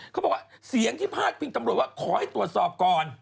เขาบอกว่าเสียงที่พาดพิงตำรวจว่าขอให้ตรวจสอบก่อน